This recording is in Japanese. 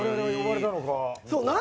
そう。